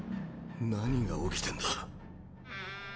何が起きてんだ？